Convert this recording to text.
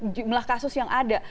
jumlah kasus yang ada